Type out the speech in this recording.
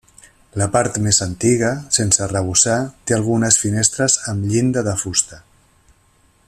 La part més antiga, sense arrebossar, té algunes finestres amb llinda de fusta.